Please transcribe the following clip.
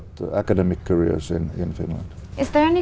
tất cả chúng tôi